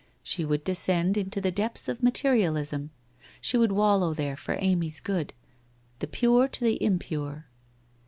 She would descend into the depths of materialism, she would wallow there for Amy's good. The pure to the impure.